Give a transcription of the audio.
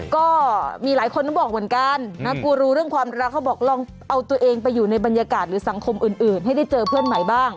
ก็มีหลายคนก็บอกเหมือนกันนะกูรู้เรื่องความรักเขาบอกลองเอาตัวเองไปอยู่ในบรรยากาศหรือสังคมอื่นให้ได้เจอเพื่อนใหม่บ้าง